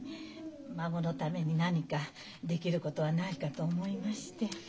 孫のために何かできることはないかと思いまして。